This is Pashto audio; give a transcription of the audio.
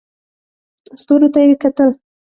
ستورو ته یې کتل.